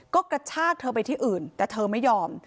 ข้ากับมีอะไรถ้าเธอไปที่อื่นแต่เธอไม่ยอม